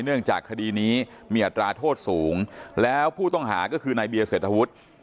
เนื่องจากคดีนี้มีอัตราโทษสูงแล้วผู้ต้องหาก็คือนายเบียร์เศรษฐวุฒิ